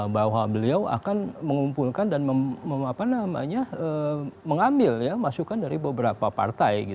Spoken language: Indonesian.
bahwa beliau akan mengumpulkan dan mengambil masukan dari beberapa partai